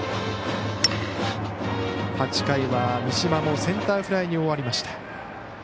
８回は、美島もセンターフライに終わりました。